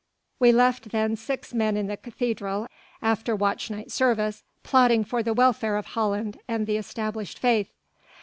We left then six men in the cathedral after watch night service plotting for the welfare of Holland and the established Faith."